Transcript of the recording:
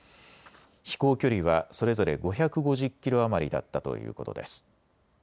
飛行距離はそれぞれ５５０キロ余りだったということです。